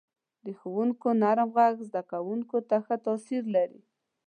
• د ښوونکو نرم ږغ زده کوونکو ته ښه تاثیر لري.